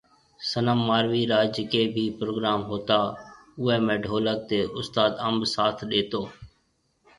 صنم ماروي را جڪي ڀي پروگرام ھوتا اوئي ۾ ڍولڪ تي اُستاد انب ساٿ ڏيتو